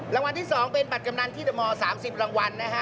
รางวัลที่๒เป็นบัตรกำนันที่ตม๓๐รางวัลนะฮะ